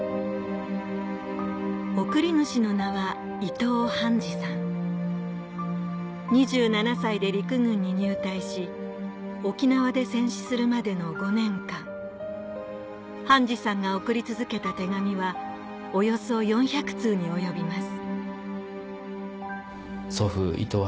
送り主の名は２７歳で陸軍に入隊し沖縄で戦死するまでの５年間半次さんが送り続けた手紙はおよそ４００通に及びます